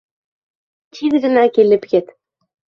Тиҙ генә килеп ет!